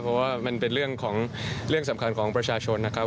เพราะว่ามันเป็นเรื่องของเรื่องสำคัญของประชาชนนะครับ